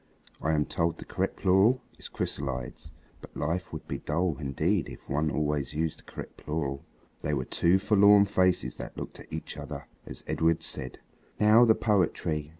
(I am told the correct plural is chrysalides, but life would be dull indeed if one always used the correct plural.) They were two forlorn faces that looked at each other as Edred said "Now the poetry."